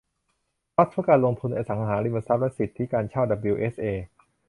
ทรัสต์เพื่อการลงทุนในอสังหาริมทรัพย์และสิทธิการเช่าดับบลิวเอชเอ